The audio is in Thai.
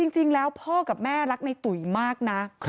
จริงแล้วพ่อกับแม่รักในตุ๋ยมากนะ